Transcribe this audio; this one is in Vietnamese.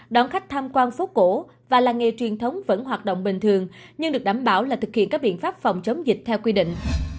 đón khách tham quan phố cổ và làng nghề truyền thống vẫn hoạt động bình thường nhưng được đảm bảo là thực hiện các biện pháp phòng chống dịch theo quy định